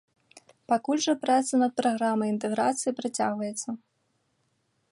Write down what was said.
Пакуль жа праца над праграмай інтэграцыі працягваецца.